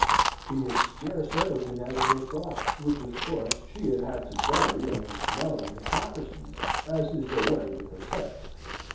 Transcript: He had scarce ever been out of her thoughts, which of course she had had to bury under smiling hypocrisies, as is the way with her sex.